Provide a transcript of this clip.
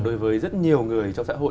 đối với rất nhiều người trong xã hội